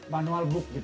manual book gitu